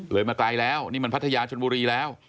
มาไกลแล้วนี่มันพัทยาชนบุรีแล้ว